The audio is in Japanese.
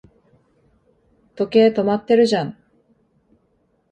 時計、止まってるじゃん